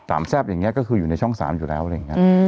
ตามแทรฟอย่างนี้ก็คืออยู่ในช่องสามอยู่แล้วไง